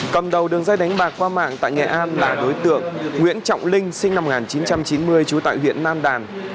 cầm đầu đường dây đánh bạc qua mạng tại nghệ an là đối tượng nguyễn trọng linh sinh năm một nghìn chín trăm chín mươi trú tại huyện nam đàn